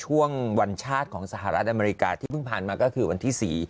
ช่วงวันชาติของสหรัฐอเมริกาที่เพิ่งผ่านมาก็คือวันที่๔